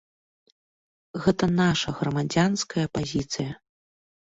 Гэта наша грамадзянская пазіцыя.